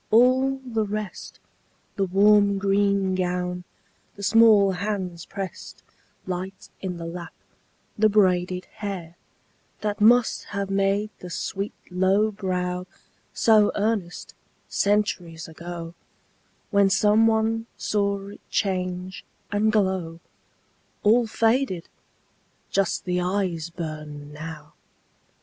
All the rest The warm green gown, the small hands pressed Light in the lap, the braided hair That must have made the sweet low brow So earnest, centuries ago, When some one saw it change and glow All faded! Just the eyes burn now.